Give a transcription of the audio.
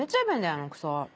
あのクソ。